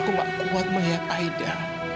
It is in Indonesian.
aku gak kuat melihat aida